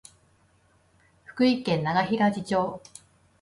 福井県永平寺町